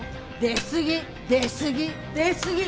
出すぎ出すぎ出すぎ。